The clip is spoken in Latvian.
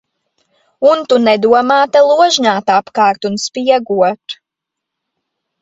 Un tu nedomā te ložņāt apkārt un spiegot.